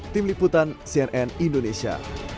tim liputan cnn indonesia